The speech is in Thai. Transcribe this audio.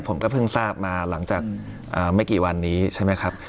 ผมก็เพิ่งทราบมาหลังจากไม่กี่วันนี้ใช่ไหมครับ